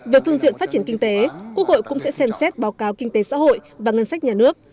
về phương diện phát triển kinh tế quốc hội cũng sẽ xem xét báo cáo kinh tế xã hội và ngân sách nhà nước